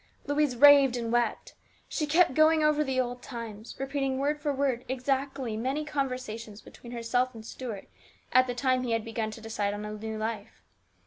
Louise raved and wept. She kept going over the old times, repeating word for word exactly many conversations between herself and Stuart at the time he had begun to decide on a new life.